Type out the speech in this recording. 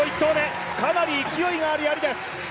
かなり勢いがあるやりです。